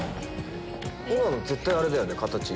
今の絶対あれだよね形。